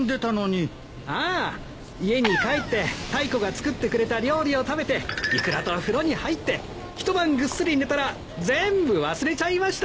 ああ家に帰ってタイコが作ってくれた料理を食べてイクラと風呂に入って一晩ぐっすり寝たら全部忘れちゃいました！